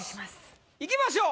いきましょう。